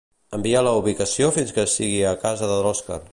Envia la ubicació fins que sigui a casa de l'Òscar.